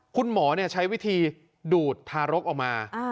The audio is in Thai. คุณหมอใช้วิธีดูดทารกออกมา